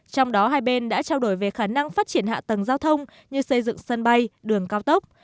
trong đó hai bên đã trao đổi về khả năng phát triển hạ tầng giao thông như xây dựng sân bay đường cao tốc